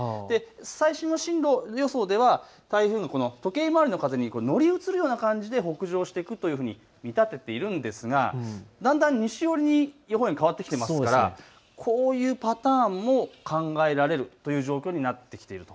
最新の進路予想では台風の時計回りの風に乗り移るような感じで北上してくると見立てているのですがだんだん西寄りに予報円が変わってきていますからこういうパターンも考えられるという状況になってきていると。